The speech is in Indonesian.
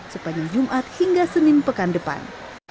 sepanjang jumat hingga senin pekan depan